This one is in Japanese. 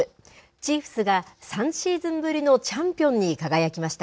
チーフスが３シーズンぶりのチャンピオンに輝きました。